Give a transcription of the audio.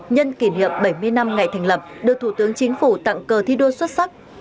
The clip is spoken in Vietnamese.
nhân kỷ niệm bảy mươi năm ngày thành lập đưa thủ tướng chính phủ tặng cờ thi đua xuất sắc